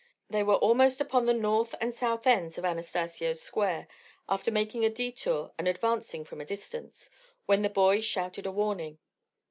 They were almost upon the north and south ends of Anastacio's square after making a detour and advancing from a distance when the boys shouted a warning.